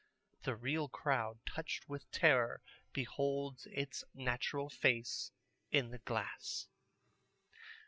The real crowd touched with terror beholds its natural face in the glass.